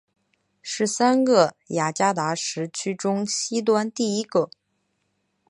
是三个雅加达时区中西端第一个。